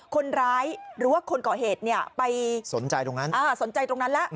คนร้ายหรือคนก่อเหตุไปสนใจตรงนั้น